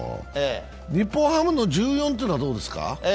日本ハムの１４というのはどうですか？